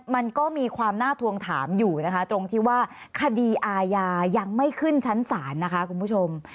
มันก็มีความน่าทวงถามอยู่นะคะตรงที่ว่าคดีอาญายังไม่ขึ้นชั้นศาลนะคะคุณผู้ชม